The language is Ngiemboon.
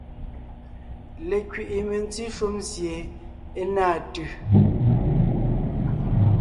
Lekẅiʼi mentí shúm sie é náa tʉ̀.